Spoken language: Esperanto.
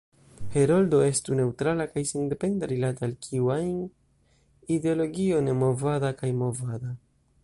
“Heroldo“ estu neŭtrala kaj sendependa rilate al kiu ajn ideologio nemovada kaj movada.